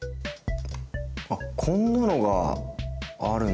あっこんなのがあるんすね。